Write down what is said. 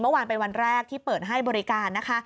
เมื่อวานเป็นวันแรกที่เปิดให้บริการนะคะ